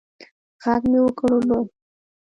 ږغ مې وکړ اوبه.